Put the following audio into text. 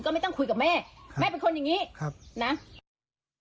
ก็ไม่ต้องคุยกับแม่แม่เป็นคนอย่างงี้ครับนะ